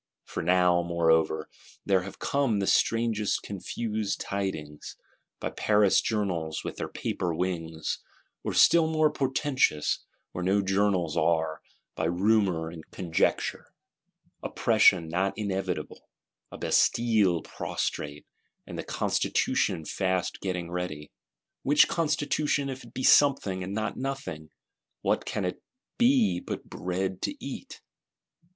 For now, moreover, there have come the strangest confused tidings; by Paris Journals with their paper wings; or still more portentous, where no Journals are, by rumour and conjecture: Oppression not inevitable; a Bastille prostrate, and the Constitution fast getting ready! Which Constitution, if it be something and not nothing, what can it be but bread to eat?